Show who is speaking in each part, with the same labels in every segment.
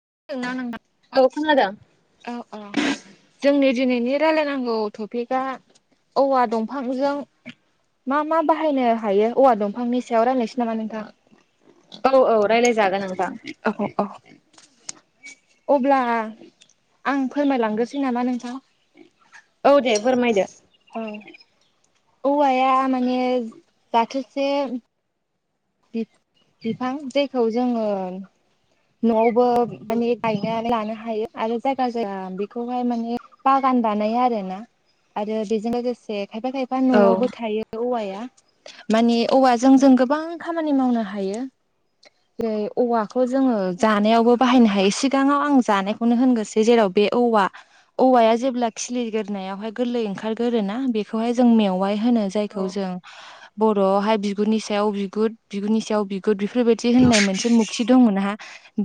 Speaker 1: [unintelligible]
Speaker 2: औ खोनादों
Speaker 1: औ औ जोंनि दिनैनि रायलायनांगौ टपिका औवा दंफांजों मा मा बाहायनो हायो औवा दंफांनि सायाव रायलायनोसै नामा नोंथां?
Speaker 2: औ औ रायज्लायजागोन नोंथां
Speaker 1: अब्ला आं आं फोरमायलांग्रोसै नामा नोंथां
Speaker 2: औ दे फोरमायदो
Speaker 1: औ औवाया माने जाथोसे बिफां जायखौ जोङो न'आवबो माने गायनानै लानो हायो आरो जायगा जायगा बेखौहाय माने बागा गान बानायो आरोना आरो बेजों लोगोसे खायफा खायफा
Speaker 2: औ उम
Speaker 1: न'आवबो थायो औवाया माने औवाजों जों गोबां खामानि मावनो हायो जेरै औवाखौ जोङो जानायावबो बाहायनो हायो सिगाङाव आं जानायखौनो होनग्रोसै जेराव बे औवा औवाया जेब्ला खिलिगोरनायावहाय गोरलै ओंखारगोरोना बेखौहाय जों मेवाइ होनो जायखौ जों बर'आवहाय बिगुरनि सायाव बिगुर बिगुरनि सायाव बिगुर बेफोरबायदि होननाय मोनसे मुक्ति दंमोनना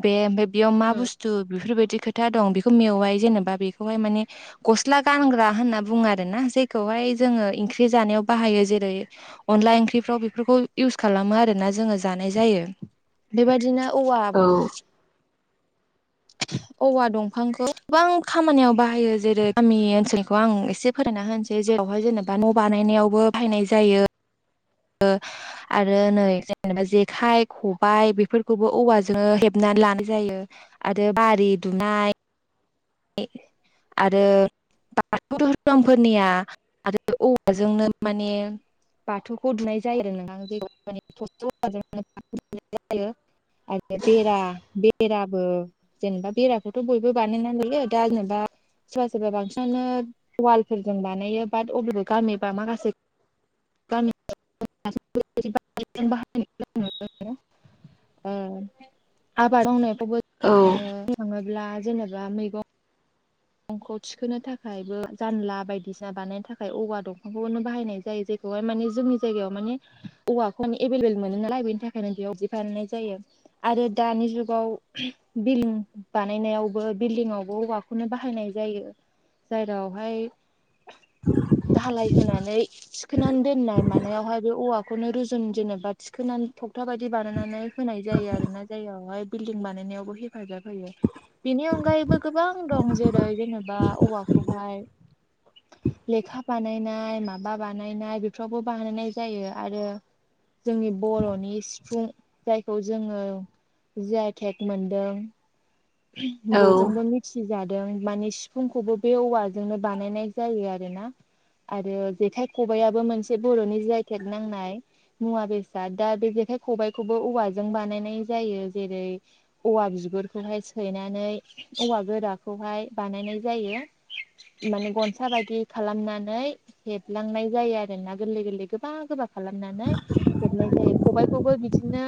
Speaker 1: बे ओमफ्राय बेयाव मा बुस्थु बेफोरबायदि खो- था दं बेखौ मेवाय जेनेबा बेखौहाय माने गस्ला गानग्रा होनना बुङो आरो ना जायखौहाय जोङो ओंख्रि जानायाव बाहायो जेरै अनला ओंख्रिफ्राव बेफोरखौ इउस खालामो आ- रो ना जोङो जानाय जायो बेबायदिनो औवा
Speaker 2: औ
Speaker 1: [inaudible] औवा दंफांखौ गोबां खामानियाव बाहायो जेरै गामि ओनसोलखौ आं एसे फोरमायना होनोसै जेरावहाय जेनेबा न' बानायनायावबो बाहायनाय जायो आरो नै जेनेबा जेखाइ खबाय बेफोरखौबो औवाजोंनो हेबना नै लानाय जायो आरो बारि दुमनाय आरो बाथौ धोरोमफोरनिया आरो औवाजोंनो माने बाथौखौ दुमनाय जायो आरो नोंथां [unintelligible] आरो बेरा बेराबो जेनेबा बेराखौथ' बयबो बानायना लायो दा जेनेबा सोरबा सोरबा बांसिनानो वालफोरजों बानायो बाट अब्लाबो गामि बा माखासे गामियाव औवा जों [unintelligible] बाहायनाय जों नुनो मोनो। ओ आबाद मावनायखौबो
Speaker 2: औ
Speaker 1: बुंनो थाङोब्ला जेनेबा मैगं गंखौ थिखोनो थाखायबो जानला बायदिसिना बानायनो थाखाय औवा दंफांखौनो बाहायनाय जायो जे खौहाय माने जोंनि जायगायाव माने औवाखौ माने एभेलेबेल मोनो नालाय बेनि थाखायनो बेयाव बिदि बानायनाय जायो। आरो दानि जुगाव बिल्डिं बानायनायावबो बिल्डिङावबो औवाखौनो बाहाय- नाय जायो जेरावहाय दालाय होनानै थिखोननानै दोननाय मानायावहाय बे औवाखौनो रुजुन जेनेबा थिखोनानै थगथा बायदि बानायनानै होनाय जायो आरो ना जेरावहाय बिल्डिं बानायनायावबो हेफाजाब होयो। बेनि अनगायैबो गोबां दं जेरै जेनेबा औवाखौहाय लेखा बानायनाय माबा बानायनाय बेफोरावबो बानायनाय जायो आरो । जोंनि बर'नि सिफुं जायखौ जोङो झि आइ ठेक मोनदों । बयजोंबो
Speaker 2: औ
Speaker 1: मिथि जा- दों माने सिफुंखौबो बे औवाजोंनो बानायनाय जायो आरोना । आरो जेखाइ खबाइयाबो मोनसे बर'नि जि आइ टेक नांनाय मुवा बेसाद दा बे जेखाइ खबाइखौबो औवाजों बानायनाय जायो जेरै औवा बिगुरखौहाय सोननानै औवा गोराखौहाय बानायनाय जायो। माने गनसा बायदि खालामनानै हेबलांनाय जायो आरो ना गोरलै गोरलै गोबा गोबा खालामनानै हेबनाय जायो। । खबाइखौबो बिदिनो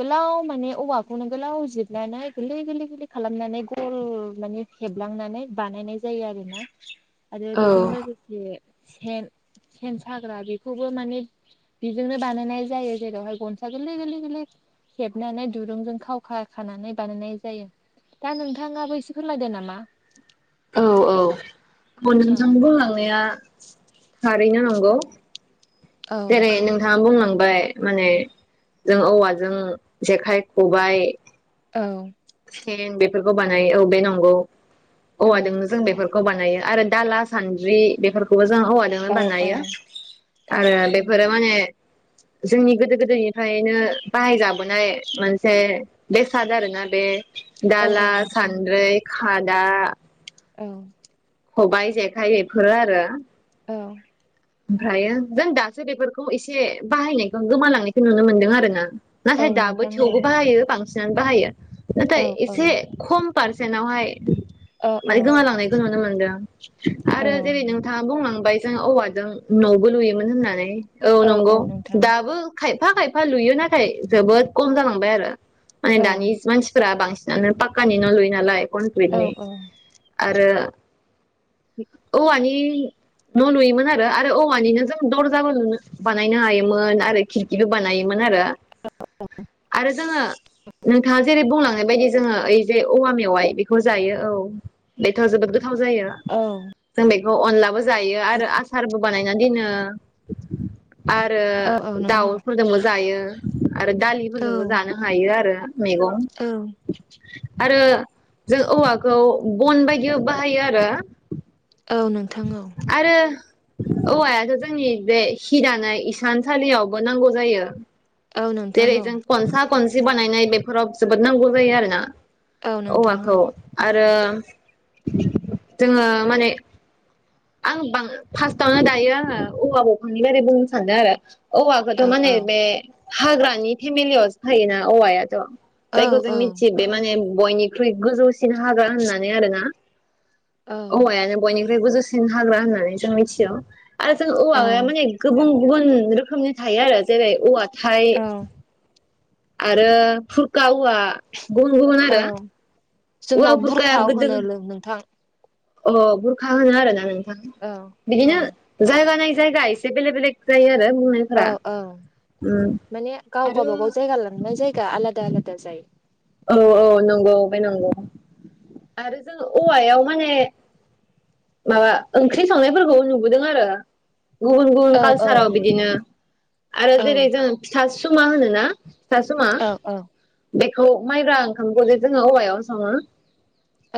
Speaker 1: गोलाव माने औवाखौनो गोलाव जिरनानै गोरलै गोरलै गोरलै खालामनानै गल माने हेबलांनानै बानायनाय जायो आरोना । आरो
Speaker 2: औ
Speaker 1: बेजों लोगोसे सेन सेन साग्रा बेखौबो माने बिजोंनो बानायनाय जायो जेरावहाय गनसा गोरलै गोरलै गोरलै हेबनानै दुरुंजों खावखा खानानै बानायनाय जायो दा नोंथाङाबो एसे फोरमायदो नामा।
Speaker 2: औ औ [unintelligible]
Speaker 1: औ
Speaker 2: बुंलांनाया थारैनो नं गौ
Speaker 1: औ
Speaker 2: जेरै नोंथाङा बुंलां बाय माने जों औवाजों जेखाइ-ख'बाय
Speaker 1: औ
Speaker 2: सेन बेफोरखौ बानायो औ बे नंगौ
Speaker 1: औ
Speaker 2: औवाजोंनो जों बेफोरखौ बानायो आरो दाला-सानद्रि बेफोरखौबो जों औवाजोंनो
Speaker 1: औ औ
Speaker 2: बानायो
Speaker 1: औ
Speaker 2: आरो
Speaker 1: नोंथां
Speaker 2: बेफोरो माने
Speaker 1: [inaudible]
Speaker 2: जोंनि गोदो-गोदायनिफ्रायनो बाहायजाबोनाय मोनसे बेसाद आरोना । बे
Speaker 1: औ औ
Speaker 2: दाला,
Speaker 1: नोंथां
Speaker 2: सान्द्रै, खादा
Speaker 1: औ
Speaker 2: खबाइ जेखाइ एफोरो आरो ।
Speaker 1: औ
Speaker 2: ओमफ्रायो जों दासो बेफोरखौ इसे बाहायनायखौ गोमालांनायखौ नुनो मोनदों आरो ना ।
Speaker 1: औ
Speaker 2: नाथाय दाबो
Speaker 1: नोंथां औ
Speaker 2: थेवबो बाहायो बांसिनानो बाहायो नाथाय
Speaker 1: औ औ
Speaker 2: एसे खम पारसेनावहाय
Speaker 1: औ औ
Speaker 2: माने गोमालांनायखौ नुनो मोनदों
Speaker 1: औ
Speaker 2: आरो जेरै नोंथाङा बुंलांबाय जों औवा जों न'बो लुयोमोन होननानै औ नंगौ दाबो खाय फा खायफा लुयो नाथाय जोबोद कम जालांबाय आरो माने
Speaker 1: औ
Speaker 2: दानि मानसिफोरा बांसिन पाक्कानि न' लुय नालाय
Speaker 1: औ
Speaker 2: कनक्रिटनि आरो औवानि न' लुयोमोन आरो आरो औवानिनो जों दर जाबो नुनो बानायनो हायोमोन आरो खिरखिबो बानायोमोन आरो । आरो जोङो नोंथाङा जेरै बुंलांनाय बायदि जोङो ओइ जे औवा मेवाइ बेखौ जायो औ बेथ' जोबोद गो थाव जायो
Speaker 1: औ
Speaker 2: जों बेखौ अनलाबो जायो आरो आस बो बानायना दोनो आरो
Speaker 1: औ औ नोंथां
Speaker 2: दाउफोरजोंबो जायो आरो
Speaker 1: औ
Speaker 2: दालिफोरजोंबो जानो हायो आरो मैगं
Speaker 1: औ
Speaker 2: आरो जों औवाखौ बन बायदि बाहायो आरो
Speaker 1: औ नोंथां औ
Speaker 2: आरो औवायाथ' जोंनि बे हिदानाय इसानसालियावबो नांगौ जायो
Speaker 1: औ नोंथां
Speaker 2: जेरै
Speaker 1: औ
Speaker 2: जों खनसा कनसि बानायनाय बेफोराव जोबोद नांगौ जायो आरोना
Speaker 1: औ नोंथां औ
Speaker 2: औवाखौ आरो जोङो माने आं बां फास्टआवनो दायो आङो औवा बंफांनि बारै बुंनो सानदों आरो औवाखौथ'
Speaker 1: औ
Speaker 2: माने
Speaker 1: औ
Speaker 2: बे हाग्रानि फेमिलियावसो थायोना औवायाथ'
Speaker 1: औ
Speaker 2: जायखौ
Speaker 1: औ
Speaker 2: जों मिथि बे माने बयनिख्रुइ गोजौसिन हाग्रा होननानै आरोना
Speaker 1: औ
Speaker 2: औवायानो बयनिख्रुइ गोजौसिन हाग्रा होननानै जों मिथियो आरो जों
Speaker 1: औ
Speaker 2: औवाया माने गुबुन गुबुन रोखोमनि थायो आरो जेरै औवा थाइ
Speaker 1: औ
Speaker 2: आरो फुरखा औ वा गुबुन गुबुन
Speaker 1: औ
Speaker 2: आरो औवा
Speaker 1: जोंनाव
Speaker 2: बुरखाया
Speaker 1: बुरखा
Speaker 2: गोदो
Speaker 1: होनो लों नोंथां
Speaker 2: अ बुरखा होनो आरोना नोंथां
Speaker 1: औ औ
Speaker 2: बिदिनो जायगा नाय जायगा एसे बेले बेलग जायो आरो
Speaker 1: औ
Speaker 2: बुंनायफोरा
Speaker 1: औ
Speaker 2: उम
Speaker 1: माने गाव
Speaker 2: आरो
Speaker 1: गाबागाव जायगा लानानै जाय गा आलादा आलादा जायो
Speaker 2: औ औ नंगौ बे नंगौ आरो जों औवायाव माने माबा ओंख्रि संनायफोरखौ नुबोदों आरो गुबुन गुबुन
Speaker 1: औ औ
Speaker 2: कालसाराव बिदिनो आरो
Speaker 1: औ
Speaker 2: जेरै जों फिथा सुमा होनोना फिथा सुमा
Speaker 1: औ औ
Speaker 2: बेखौ माइब्रा ओंखामखौ जे जोङो औवायावनो सङो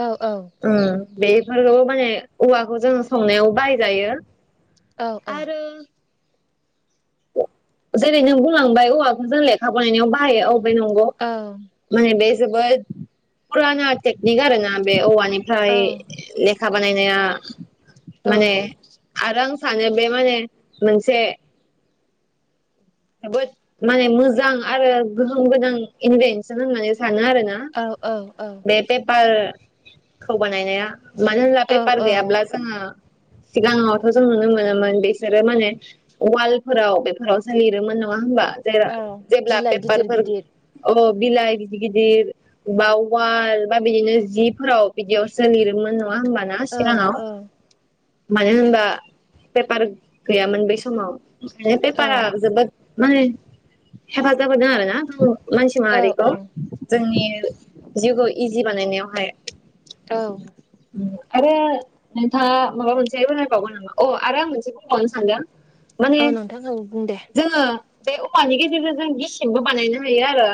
Speaker 1: औ औ
Speaker 2: बेफोरखौ माने औवाखौ जों संनायावबो बाहायजायो
Speaker 1: औ औ
Speaker 2: आरो जेरै नों बुंलांबाय औवाखौ जों लेखा बानायनायाव बाहायो औ बे नंगौ
Speaker 1: औ
Speaker 2: माने बे जोबोद फुराना टेकनिक आरो ना बे औवानिफ्राय
Speaker 1: औ
Speaker 2: लेखा बानायनाया माने आरो आं सानो बे माने मोनसे जोबोद माने मोजां आरो गोहोम गोनां इनभेनसन होननानै सानो आरोना
Speaker 1: औ
Speaker 2: बे पेपारखौ बानायनाया मानो होनला
Speaker 1: औ
Speaker 2: पेपार
Speaker 1: औ
Speaker 2: गैयाब्ला जोङो सिगाङावथ' जों नुनो मोनोमोन बिसोरो माने वालफोराव बेफोरावसो लिरोमोन नङा होमबा जेरा
Speaker 1: औ
Speaker 2: जेब्ला
Speaker 1: बिलाइ
Speaker 2: पेपार
Speaker 1: गिदिर
Speaker 2: फोर
Speaker 1: गिदिर
Speaker 2: औ बिलाइ गिदिर गिदिर बा वाल बा बिदिनो जिफोराव बिदियाव सो लिरोमोन नङा होमबा ना
Speaker 1: औ
Speaker 2: सिगाङाव
Speaker 1: औ
Speaker 2: मानो होनबा पेपार गैयामोन बै समाव ओंखायनो
Speaker 1: औ
Speaker 2: पेपारा जोबोद माने हेफाजाब होदों आरोना नंगौ मानसि माहारिखौ
Speaker 1: औ
Speaker 2: जोंनि जिउखौ इजि बानायनायावहाय
Speaker 1: औ
Speaker 2: आरो नोंथाङा माबा मोनसे फोरमायबावगोन नामा अ आरो आं मोनसे बुंबावनो सानदों माने
Speaker 1: औ नोंथां औ बुं दे
Speaker 2: जोङो बे औवानि गेजेरजों जों गिसिंबो बानायनो हायो आरो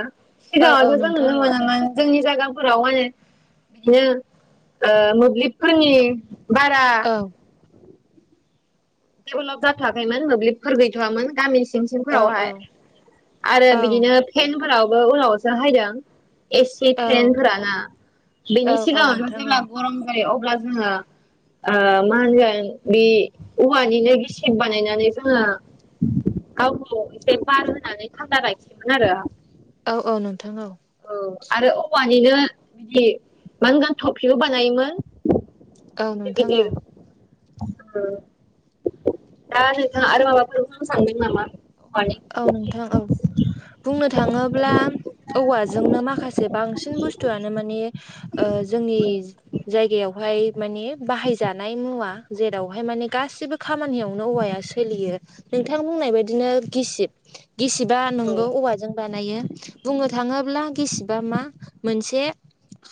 Speaker 1: औ औ
Speaker 2: सिगाङावथ' जों
Speaker 1: नोंथां
Speaker 2: नुनो
Speaker 1: औ
Speaker 2: मोनोमोन जोंनि जायगाफोराव माने बिदिनो ओ मोब्लिबफोरनि बारा
Speaker 1: औ
Speaker 2: डेभलप जाथ'वाखैमोन मोब्लिबफोर गैथ'आमोन गामि सिं सिं
Speaker 1: औ औ
Speaker 2: फोरावहाय आरो
Speaker 1: औ
Speaker 2: बिदिनो फेनफोरावबो उनावसो हायदों एसि
Speaker 1: औ
Speaker 2: फेन फोरा ना
Speaker 1: औ
Speaker 2: बेनि
Speaker 1: औ
Speaker 2: सिगाङावथ'
Speaker 1: नोंथां औ
Speaker 2: जेब्ला गरम जायो अ अब्ला जोङो ओ मा होनगोन बि औवानिनो गिसिब बानायनानै जोङो गावखौ एसे बार होनानै थानदा राखिमोन आरो।
Speaker 1: औ औ नों
Speaker 2: औ आरो औवानिनो बिदि मा होनगोन थफिबो बानायोमोन
Speaker 1: औ
Speaker 2: गिदिर
Speaker 1: नोंथां औ।
Speaker 2: गिदिर दा नोंथाङा आरो माबाफोर बुंनो सानदों नामा? औवानि
Speaker 1: औ नोंथां औ बुंनो थाङोब्ला औवा जोंनो माखासे बांसिन बुस्थुआनो मानि ओ जोंनि जायगायावहाय माने बाहाय जानाय मुवा जेरावहाय मा ने गासिबो खामानियावनो औवाया सोलियो नोंथां बुंनाय बायदिनो गिसिब गिसिबा
Speaker 2: औ
Speaker 1: नोंगौ औवाजों बा नायो बुंनो थाङोब्ला गिसिबा मा मोनसे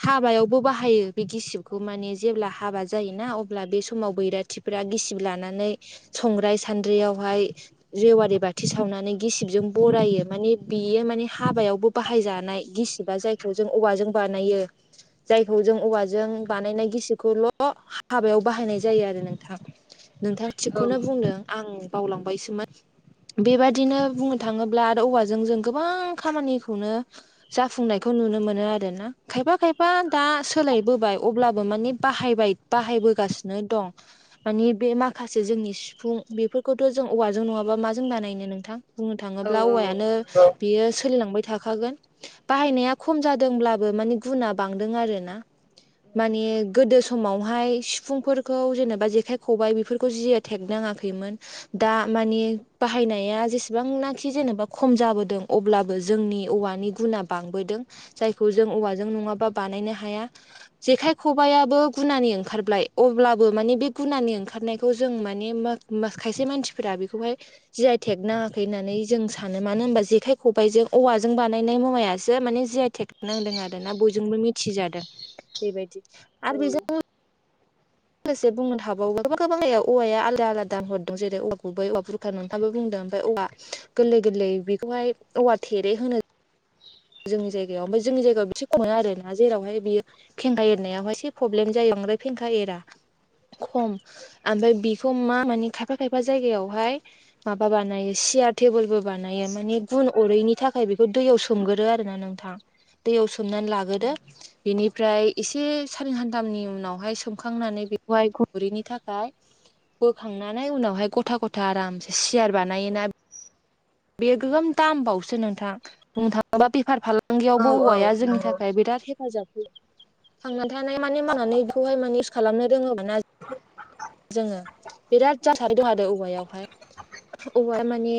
Speaker 1: हाबायावबो बाहायो बे गिसिबखौ माने जेब्ला हाबा जायोना अब्ला बे समाव बैराथिफोरा गिसिब लानानै संग्राय सानद्रियावहाय जेवारि बा थि सावनानै गिसिबजों बरायो माने बेयो माने हाबायावबो बाहायजानाय गिसिबा जायखौ जों औवाजों बानायो। जायखौ जों औवाजों बानायनाय गिसिबखौल' हाबायाव बाहायनाय जायो आरो नोंथां। नोंथाङा
Speaker 2: औ
Speaker 1: थिगखौनो बुंदों आं बावलांबायसोमोन। बेबादिनो बुंनो थाङोब्ला आरो औवाजों जों गोबां खामानिखौनो जाफुंनायखौ नु नुनो मोनो आरोना खायफा खायफा दा सोलाय बोबाय अब्लाबो माने बाहायबाय बाहायबोगासिनो दं मानि बे माखासे जोंनि सिफुं बेफोरखौथ' जों औवाजों नङाबा मा जों बानायनो नोंथां बुंनो
Speaker 2: औ
Speaker 1: थाङोब्ला औवायानो बियो सोलिलांबाय था थाखागोन बाहायनाया खम जादोंब्लाबो मानि गुना बांदों आरोना। माने गोदो समावहाय सिफुंफोरखौ जेनेबा जेखाइ खबाइ बेफोरखौ जि आइ थेग ना ङाखैमोन दा मानि बाहायनाया जेसेबांनाखि जेनेबा खम जाबोदों अब्लाबो जोंनि औवानि गुना बांबोदो दों जायखौ जों औवाजों नङाबा बानायनो हाया जेखाय खबाइयाबो गुनानि ओंखार बाय अब्लाबो माने बे गुनानि ओंखारनायखौ जों माने मा मा खायसे मानसिफोरा बेखौहाय जि आइ थेग नाङाखै होन्नानै जों सानो मानो होनबा जेखाय खबाइजों औवाजों बानायनाय मुवायासो माने जिआइ थेग नांदों आरो ना बयजोंबो मिथिजादों बेबायदि आरो बेजों लोगोसे बुंनो थाबावो गोबां गोबां [inaudible] औवाया आलादा आलादा हरदों जेरै औवा गुबै औवा बुरखा नोंथाङाबो बुंदों ओमफाय औवा गोरलै गोरलै बेखौहाय औवा थेरे होनो जोंनि जायगायाव। ओमफाय जोंनि जायगायाव एसे [inaudible] आरोना जेरावहाय बियो फेंखा एरनायावहाय एसे पब्लेम जायो। बांद्राय फेंखा एरा। खम आमफ्राय बेखौ मा मानि खायफा खायफा जायगायावहाय माबा बानायो सि सियार टेबोलबो बानायो माने गुन अरैनि थाखाय बेखौ दैयाव सोमगोरो आरो ना नोंथां। दैयाव सोमनानै लागोदो बिनिफ्राय एसे सानै सानथामनि उनावहाय सोमखांनानै बेवहाय गुन अरैनि थाखाय बोखांनानै उनावहाय गथा गथा आरामसे सियार बानायोना बेयो गोगोम दामबावसो नोंथां बुंनो थाङोबा बेफार फाला
Speaker 2: औ
Speaker 1: लांगियावबो
Speaker 2: औ
Speaker 1: औवाया जोंनि
Speaker 2: नंगौ
Speaker 1: थाखाय बिराद हेफाजाब थांनानै थानाय माने मावनानै बेखौहाय माने इउस खालामनो रोङोबा ना जोङो बिराद जाथार [inaudible] औवायावहाय औवाया माने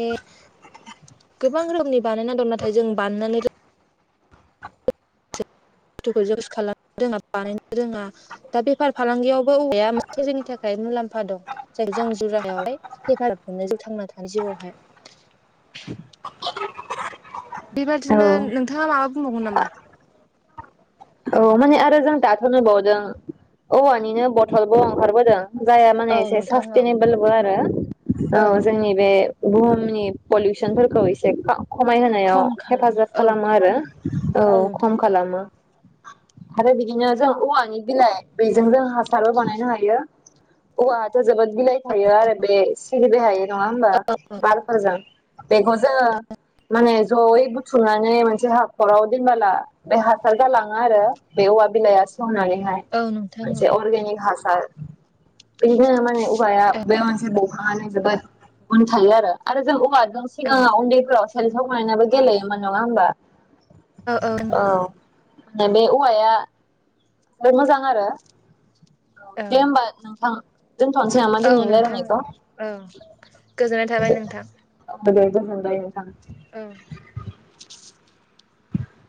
Speaker 1: गोबां रोखोमनि बानायना दं नाथाय जों बानायनानै बुस्थुखौ जुस खालामनो रोङा बानायनो रोङा दा बेफार फालांगियावबो औवाया मोनसे जोंनि थाखाय मुलाम्फा दं जायखौ जों जरायावहाय हेफाजाब मोननो जों थांना थानाय जिउआवहाय। बेबादिनो
Speaker 2: औ
Speaker 1: नोंथाङा माबा बुंबावगोन नामा?
Speaker 2: औ माने आरो जों दाथ' नुबावदों औवानिनो बथलबो ओंखारबोदों जाया माने
Speaker 1: औ
Speaker 2: एसे
Speaker 1: नोंथां औ
Speaker 2: सासटेनेबोलबो आरो औ जोंनि बे बुहुमनि पलुसनफोरखौ एसे खा खमायहायाव
Speaker 1: खम खालाम
Speaker 2: हेफाजाब
Speaker 1: औ
Speaker 2: खालामो आरो औ खम खालामो आरो बिदिनो जों औवानि बिलाइ बेजों जों हासारबो बानायनो हायो। औवाआथ जोबोद बिलाइ थायो आरो बे सिरिबाय हायै नङा हबा
Speaker 1: औ
Speaker 2: बारफोरजों बेखौ जोङो माने जयै बुथुमनानै मोनसे हाखराव दोनबोला बे हासार गालां ङो आरो बे औवा बिलाइया सेवनानै हाय
Speaker 1: औ नोंथां औ
Speaker 2: मोनसे आर्गेनिक हा सार बिखायनो माने औवा
Speaker 1: औ
Speaker 2: बे मोनसे बंफाङानो जोबोद गुन थायो आरो जों औवाजों
Speaker 1: औ
Speaker 2: सिगाङाव उन्दैफोराव सोन्थाव बानानैबो गेलेयोमोन नङा होमबा
Speaker 1: औ औ नंगौ
Speaker 2: बे औवाया जोबोद मोजां आरो औ
Speaker 1: औ
Speaker 2: दे होमबा नों थां दोनथ'नोसै नामा
Speaker 1: औ
Speaker 2: दिनै
Speaker 1: नोंथां औ
Speaker 2: रायलायनायखौ
Speaker 1: औ गोजोननाय थाबाय नोंथां
Speaker 2: दे गोजोनबाय नोंथां
Speaker 1: औ